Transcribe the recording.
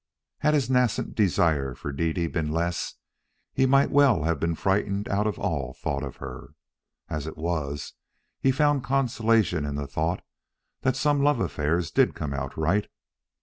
Had his nascent desire for Dede been less, he might well have been frightened out of all thought of her. As it was, he found consolation in the thought that some love affairs did come out right.